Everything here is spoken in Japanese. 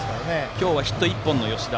今日はヒット１本の吉田。